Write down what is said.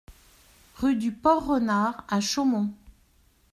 Rue du Port Renard à Chaumont